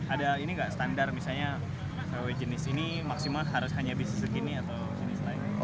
ada ini nggak standar misalnya kw jenis ini maksimal harus hanya bisnis segini atau jenis lain